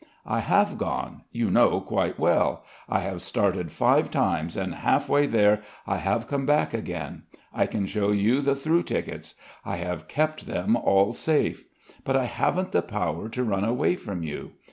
"I have gone. You know quite well. I have started five times and half way there I have come back again. I can show you the through tickets. I have kept them all safe. But I haven't the power to run away from you.